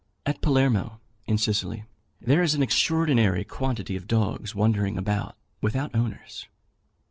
At Palermo, in Sicily, there is an extraordinary quantity of dogs wandering about without owners.